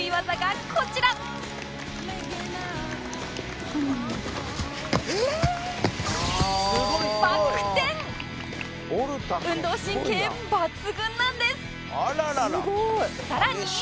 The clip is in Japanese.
さらに